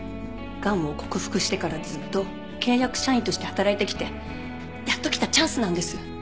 がんを克服してからずっと契約社員として働いてきてやっと来たチャンスなんです。